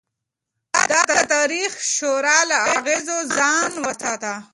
ده د تاريخي شور له اغېزو ځان وساته.